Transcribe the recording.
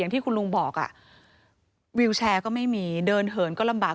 ที่คุณลุงบอกวิวแชร์ก็ไม่มีเดินเหินก็ลำบาก